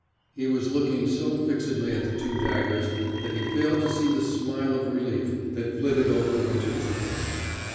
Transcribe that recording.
He was looking so fixedly at the two daggers that he failed to see the smile of relief that flitted over Winter's face.